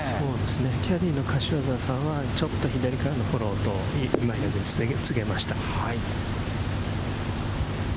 キャディーの柏田さんはちょっと左からのフォローと、今平に告げました。